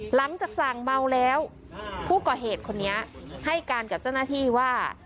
หลังจากสั่งเมาแล้วผู้ก่อเหตุคนนี้ให้การกับเจ้าหน้าที่ว่า